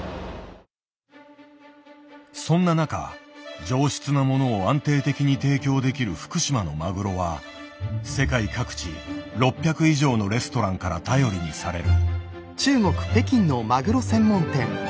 そんな中上質なものを安定的に提供できる福島のマグロは世界各地６００以上のレストランから頼りにされる。